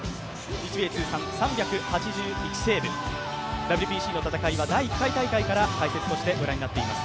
日米通算３８１セーブ、ＷＢＣの戦いは第１回大会から解説としてご覧になっています